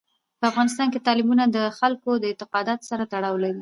په افغانستان کې تالابونه د خلکو د اعتقاداتو سره تړاو لري.